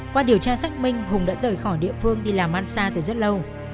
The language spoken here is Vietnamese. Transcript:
qua điều tra xác minh hùng đã rời khỏi địa phương đi làm ăn xa từ rất lâu